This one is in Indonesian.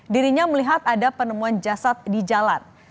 dirinya melihat ada penemuan jasad di jalan